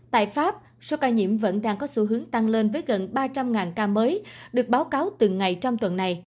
tại pháp số ca nhiễm vẫn đang có xu hướng tăng lên với gần ba trăm linh ca mới được báo cáo từng ngày trong tuần này